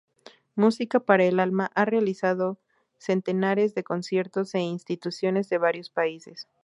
Música para el alma ha realizado centenares de conciertos en instituciones de varios países.